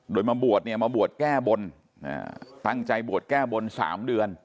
โดยมาบวชเนี่ยมาบวชแก้บนตั้งใจบวชแก้บน๓เดือน